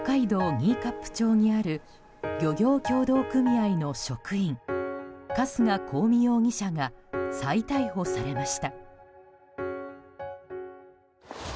新冠町にある漁業協同組合の職員春日公美容疑者が再逮捕されました。